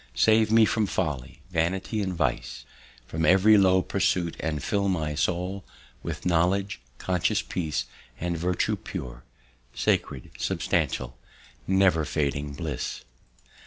Save me from folly, vanity, and vice, From every low pursuit; and fill my soul With knowledge, conscious peace, and virtue pure; Sacred, substantial, never fading bliss!"